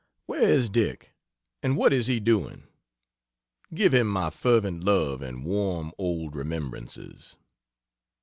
Where is Dick and what is he doing? Give him my fervent love and warm old remembrances.